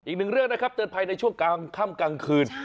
อีกหนึ่งเรื่องนะครับเตือนภัยในช่วงกลางค่ำกลางคืน